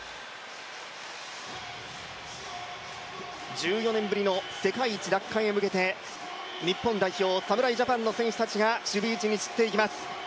１４年ぶりの世界一奪還へ向けて日本代表侍ジャパンの選手たちが散っていきます。